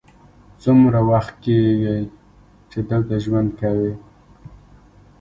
څومره وخت کیږی چې دلته ژوند کوې؟